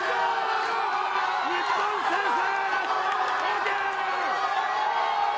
日本先制！